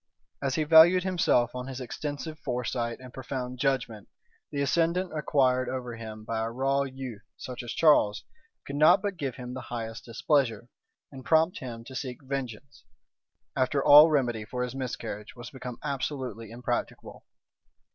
As he valued himself on his extensive foresight and profound judgment, the ascendant acquired over him by a raw youth, such as Charles, could not but give him the highest displeasure, and prompt him to seek vengeance, after all remedy for his miscarriage was become absolutely impracticable.